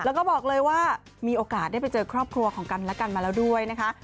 แล้วก็บอกเลยว่ามีโอกาสได้ไปเจอครอบครัวของกันและกันมาแล้วด้วยนะคะ